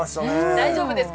大丈夫です。